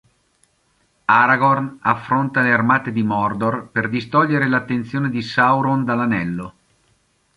Aragorn affronta le armate di Mordor per distogliere l'attenzione di Sauron dall'Anello.